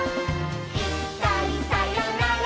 「いっかいさよなら